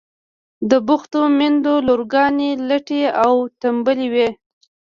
د بوختو میندو لورگانې لټې او تنبلې وي.